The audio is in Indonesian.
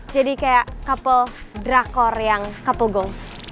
jadi kayak couple drakor yang couple goals